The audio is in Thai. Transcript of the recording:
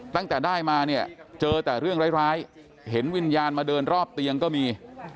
ตั้งแต่ได้มาเนี่ยเจอแต่เรื่องร้ายเห็นวิญญาณมาเดินรอบเตียงก็มี